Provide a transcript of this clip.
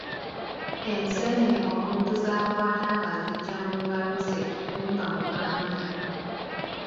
Enseenene omuntu z'akwata ng'aziggya mu ngalo ze gumba muganda.